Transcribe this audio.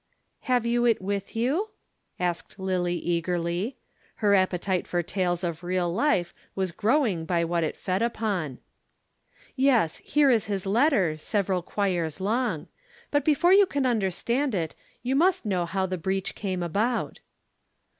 "Have you it with you?" asked Lillie eagerly. Her appetite for tales of real life was growing by what it fed upon. "Yes here is his letter, several quires long. But before you can understand it, you must know how the breach came about."